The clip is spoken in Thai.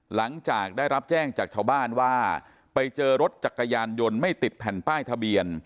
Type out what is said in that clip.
หลังจากได้รับแจ้งจากชาวบ้านว่าไปเจอรถจักรยานยนต์ไม่ติดแผ่นป้ายทะเบียน